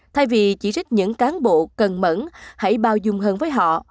thay vì chỉ trích những cán bộ cần mẫn hãy bao dung hơn với họ